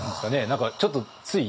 何かちょっとつい。